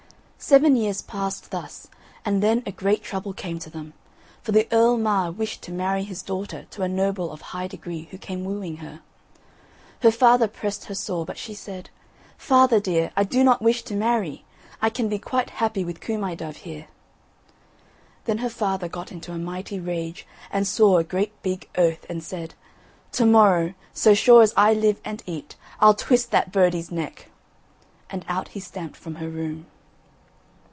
Seven years passed thus and then a great trouble came to them. For the Earl Mar wished to marry his daughter to a noble of high degree who came wooing her. Her father pressed her sore but she said: "Father dear, I do not wish to marry; I can be quite happy with Coo my dove here." Then her father got into a mighty rage and swore a great big oath, and said: "To morrow, so sure as I live and eat, I'll twist that birdie's neck," and out he stamped from her room.